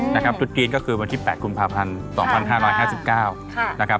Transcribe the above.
จุดจีนก็คือวันที่๘กุมภาพันธ์๒๕๕๙นะครับ